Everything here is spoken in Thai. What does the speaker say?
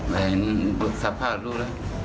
เห็นสภาพรู้แล้ว